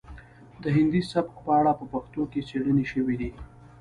د هندي سبک په اړه په پښتو کې څیړنې شوي دي